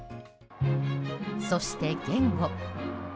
そして、言語。